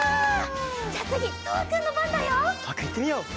じゃあつぎとわくんのばんだよ。とわくんいってみよう！